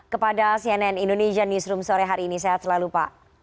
kepada cnn indonesia newsroom sore hari ini sehat selalu pak